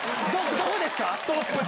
どこですか？